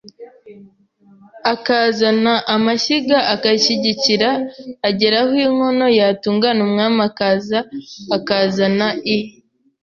Akazana amashyiga Agashyigikira ageraho inkono yatungana umwami akaza akazana i